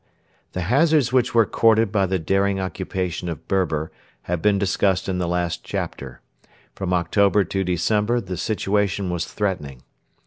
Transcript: The hazards which were courted by the daring occupation of Berber have been discussed in the last chapter. From October to December the situation was threatening.